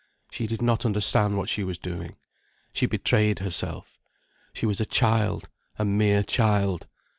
She did not understand what she was doing. She betrayed herself. She was a child, a mere child.